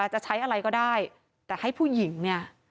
จะใช้อะไรก็ได้แต่ให้ผู้หญิงเนี่ย